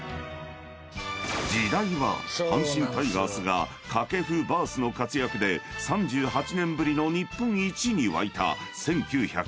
［時代は阪神タイガースが掛布バースの活躍で３８年ぶりの日本一に沸いた１９８５年］